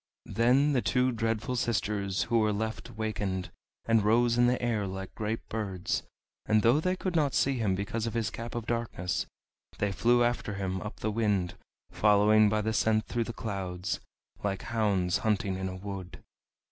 Then the two Dreadful Sisters who were left wakened, and rose in the air like great birds; and though they could not see him because of his Cap of Darkness, they flew after him up the wind, following by the scent through the clouds, like hounds hunting in a wood.